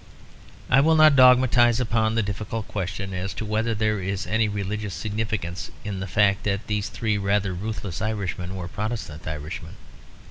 I will not dogmatise upon the difficult question as to whether there is any religious significance in the fact that these three rather ruthless Irishmen were Protestant Irishmen.